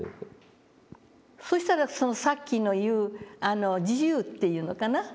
そうしたらさっきの言う自由っていうのかな。